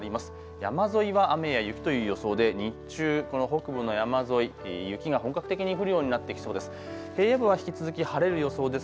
山沿いは雨や雪という予想で日中、北部の山沿い雪が本格的に降るようになってきそうです。